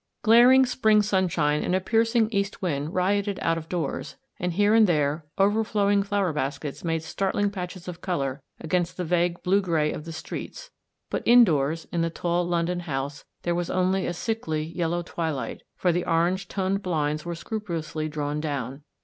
Glaeing spring sunshine and a piercing east wind rioted out of doors, and here and there overflowing flower baskets made start ling patches of colour against the vague blue grey of the streets, but indoors, in the tall London house, there was only a sickly, yellow twilight, for the orange toned blinds were scrupulously drawn down.